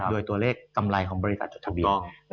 โดยตัวเลขกำไรของบริษัทจดทะเบียน